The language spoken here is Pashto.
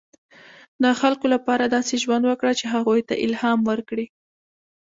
• د خلکو لپاره داسې ژوند وکړه، چې هغوی ته الهام ورکړې.